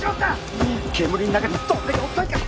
煙の中にどんだけおったんか。